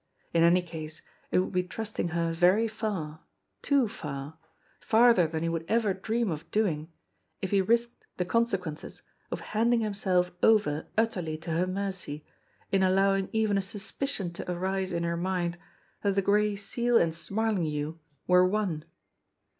In any case, it would be trusting her very far, too far, farther than he would ever dream of doing, if he risked the conse quences of handing himself over utterly to her mercy in allowing even a suspicion to arise in her mind that the Gray Seal and Smarlinghue were one!